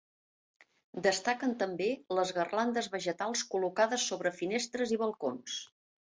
Destaquen també les garlandes vegetals col·locades sobre finestres i balcons.